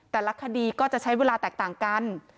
แต่ละคดีก็จะใช้เวลาแตกต่างกัน